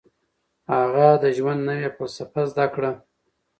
هغه د ژوند نوې فلسفه زده کړه.